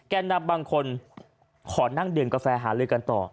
แนะนำบางคนขอนั่งดื่มกาแฟหาลือกันต่อ